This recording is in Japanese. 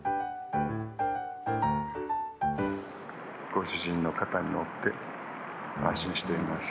ご主人の肩に乗って安心しています。